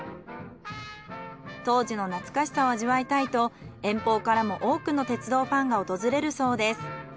当時の懐かしさを味わいたいと遠方からも多くの鉄道ファンが訪れるそうです。